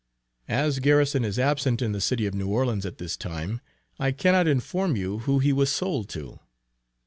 As Garrison is absent in the City of New Orleans at this time, I cannot inform you who he was sold to.